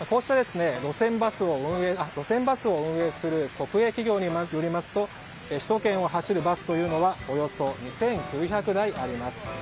路線バスを運営する国営企業によりますと首都圏を走るバスというのはおよそ２９００台あります。